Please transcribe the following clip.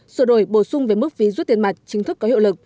sửa đổi bổ sung về mức phí rút tiền mặt chính thức có hiệu lực